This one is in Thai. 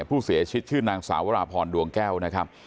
ผู้เสียชีวิตชื่อนางสาววราพรดวงแก้วนะครับ